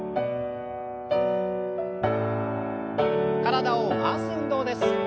体を回す運動です。